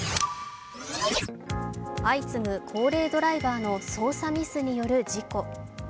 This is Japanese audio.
相次ぐ高齢ドライバーの操作ミスによる事故。